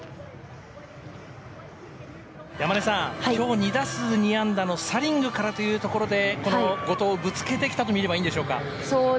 山根さん、今日２打数２安打のサリングからというところでこの後藤をぶつけてきたと見ればいいんでしょうか？